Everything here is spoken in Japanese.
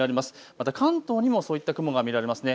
また関東にもそういった雲が見られますね。